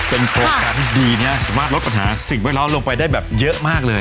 เป็นโครงการที่ดีเนี่ยสามารถลดปัญหาสิ่งแวดล้อมลงไปได้แบบเยอะมากเลย